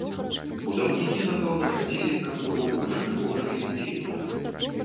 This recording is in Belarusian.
Будаўнікі, напэўна, хацелі, каб было больш прыгожа і надзейна.